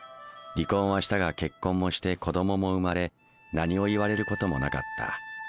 離婚はしたが結婚もして子供も生まれ何を言われることもなかった。